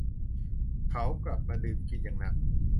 เขากลับมาดื่มกินอย่างหนัก